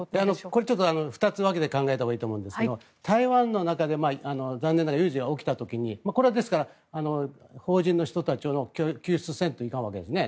これ、２つ分けて考えたほうがいいと思うんですが台湾の中で残念ながら有事が起きた時にこれは邦人の人たちを救出しないといけないわけですね。